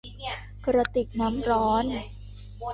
กระติกน้ำร้อน